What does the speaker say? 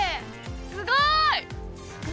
すごい！何？